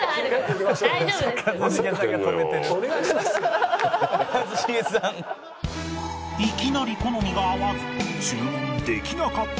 いきなり好みが合わず注文できなかった梅沢